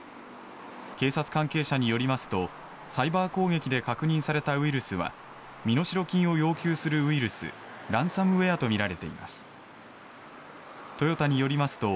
警察関係者によりますとサイバー攻撃で確認されたウイルスは身代金を要求するウイルスランサムウェアとみられています。